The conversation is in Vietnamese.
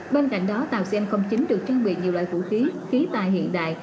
bên cạnh đó tàu cn chín được trang bị nhiều loại vũ khí khí tài hiện đại